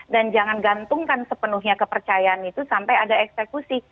dan jangan gantungkan sepenuhnya kepercayaan itu sampai ada eksekusi